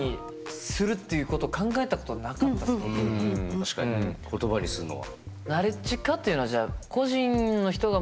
確かにね言葉にするのは。